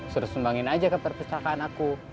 suruh sumbangin aja ke perpustakaan aku